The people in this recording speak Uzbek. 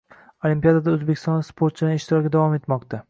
Olimpiadada o‘zbekistonlik sportchilarning ishtiroki davom etmoqda